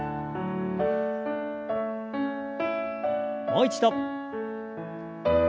もう一度。